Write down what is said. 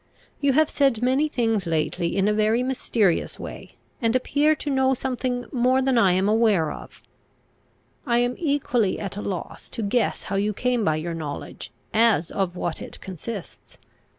You have said many things lately in a very mysterious way, and appear to know something more than I am aware of. I am equally at a loss to guess how you came by your knowledge, as of what it consists.